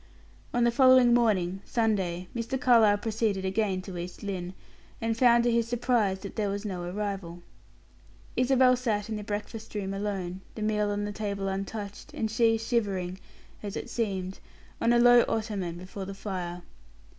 On the following morning, Sunday, Mr. Carlyle proceeded again to East Lynne, and found, to his surprise, that there was no arrival. Isabel sat in the breakfast room alone, the meal on the table untouched, and she shivering as it seemed on a low ottoman before the fire.